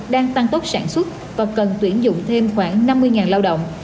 đang tăng tốc sản xuất và cần tuyển dụng thêm khoảng năm mươi lao động